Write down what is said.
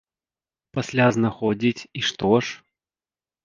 Пасля знаходзiць - i што ж?!